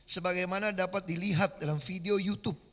sebagaimana dapat dilihat dalam video youtube